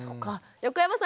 横山さん